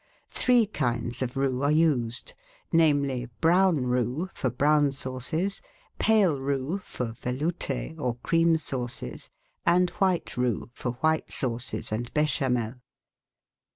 Three kinds of roux are used — namely, brown roux, for brown sauces; pale roux, for velout^s, or cream sauces; and white roux, for white sauces and Bdchamel.